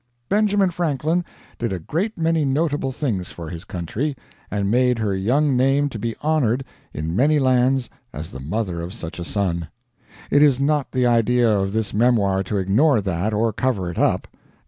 Benjamin Franklin did a great many notable things for his country, and made her young name to be honored in many lands as the mother of such a son. It is not the idea of this memoir to ignore that or cover it up.